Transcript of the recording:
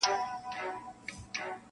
ته په زولنو کي د زندان حماسه ولیکه-